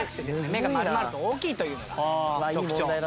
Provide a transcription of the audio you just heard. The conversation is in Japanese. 目が丸々と大きいというのが特徴。